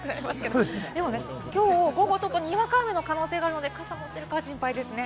きょう午後ちょっと、にわか雨の可能性があるので、傘を持っているか心配ですね。